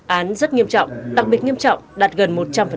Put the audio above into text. án rất nghiêm trọng đặc biệt nghiêm trọng đạt gần một trăm linh